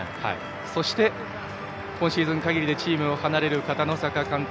そして、今シーズン限りでチームを離れる片野坂監督。